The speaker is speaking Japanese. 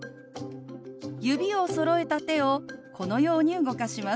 指をそろえた手をこのように動かします。